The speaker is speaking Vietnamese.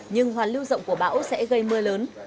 nhưng hoàn lưu rộng của bão sẽ gây mưa lớn